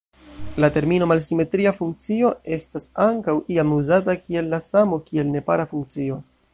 La termino "malsimetria funkcio" estas ankaŭ iam uzata kiel la samo kiel nepara funkcio.